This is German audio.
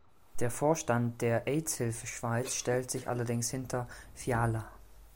Der Vorstand der Aids-Hilfe Schweiz stellte sich allerdings hinter Fiala.